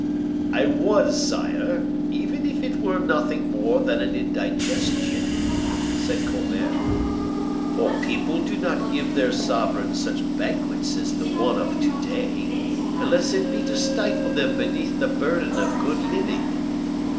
"I was, sire, even if it were nothing more than an indigestion," said Colbert; "for people do not give their sovereigns such banquets as the one of to day, unless it be to stifle them beneath the burden of good living."